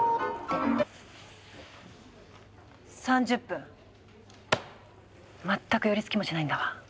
３０分全く寄りつきもしないんだわ。